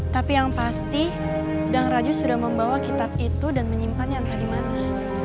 tapi yang pasti dang rajo sudah membawa kitab itu dan menyimpan yang tadi mana